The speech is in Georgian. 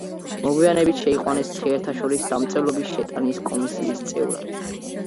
მოგვიანებით შეიყვანეს მთიელთა შორის დამწერლობის შეტანის კომისიის წევრად.